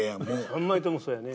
３枚ともそうやね。